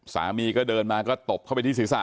สามีก็เดินมาก็ตบเข้าไปที่ศีรษะ